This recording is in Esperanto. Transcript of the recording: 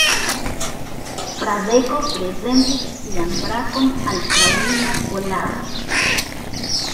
Fradeko prezentis sian brakon al fraŭlino Kolardo.